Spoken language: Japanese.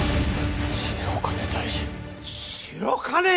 白金大臣白金！